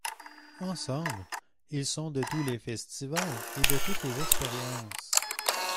Ensemble, ils sont de tous les festivals et de toutes les expériences.